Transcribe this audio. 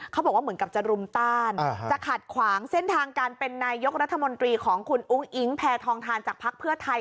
เหมือนกับจะรุมต้านจะขัดขวางเส้นทางการเป็นนายกรัฐมนตรีของคุณอุ้งอิ๊งแพทองทานจากภักดิ์เพื่อไทย